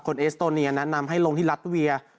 เอสโตเนียแนะนำให้ลงที่รัฐเวีย